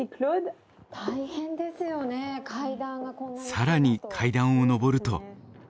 更に階段を上ると。